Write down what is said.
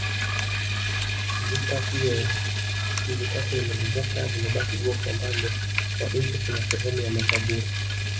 Nyumba hiyo hivi sasa imebomoka limebaki gofu ambalo kwa nje kuna sehemu ya makaburi